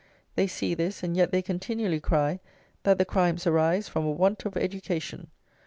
They see this; and yet they continually cry that the crimes arise from a want of "education!"